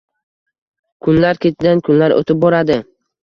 Kunlar ketidan kunlar oʻtib boradi